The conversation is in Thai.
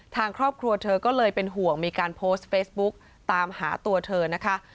ทางครอบครัวเธอก็เลยเป็นห่วงมีการโพสต์เฟซบุ๊กตามหาตัวเธอนะคะ